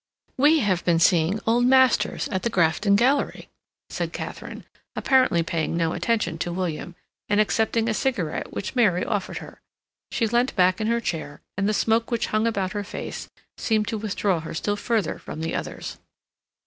"We have been seeing old masters at the Grafton Gallery," said Katharine, apparently paying no attention to William, and accepting a cigarette which Mary offered her. She leant back in her chair, and the smoke which hung about her face seemed to withdraw her still further from the others.